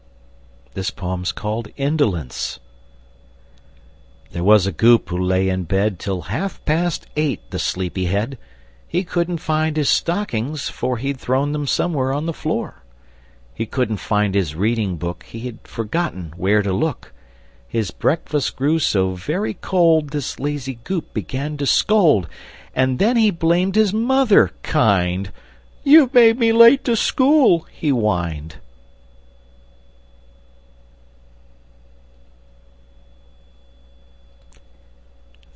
_" [Illustration: Indolence] INDOLENCE There was a Goop who lay in bed Till half past eight, the sleepy head! He couldn't find his stockings, for He'd thrown them somewhere on the floor! He couldn't find his reading book; He had forgotten where to look! His breakfast grew so very cold, This lazy Goop began to scold; And then he blamed his mother, kind! "You made me late to school!" he whined.